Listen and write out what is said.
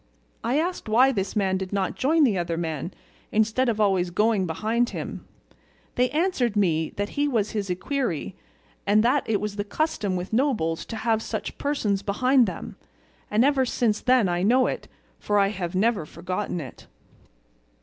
I asked why this man did not join the other man, instead of always going behind him; they answered me that he was his equerry, and that it was the custom with nobles to have such persons behind them, and ever since then I know it, for I have never forgotten it."